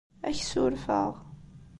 Ad ak-ssurfeɣ.